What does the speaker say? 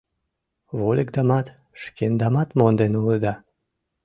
— Вольыкдамат, шкендамат монден улыда.